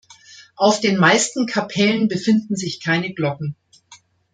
Auf den meisten Kapellen befinden sich keine Glocken.